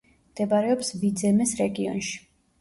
მდებარეობს ვიძემეს რეგიონში.